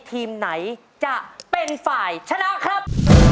ทีมไหนจะเป็นฝ่ายชนะครับ